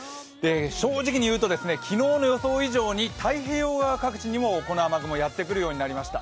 正直に言うと、昨日の予想以上に太平洋側各地にもこの雨雲、やってくるようになりました。